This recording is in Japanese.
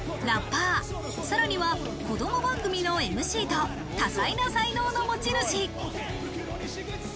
ラッパー、さらには子供番組のＭＣと多彩な才能の持ち主。